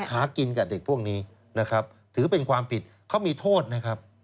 หากินกับเด็กพวกนี้นะครับถือเป็นความผิดเขามีโทษนะครับ